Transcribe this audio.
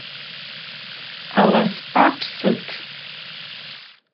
Аласпа псытӏ.